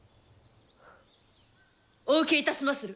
お受けいたしまする。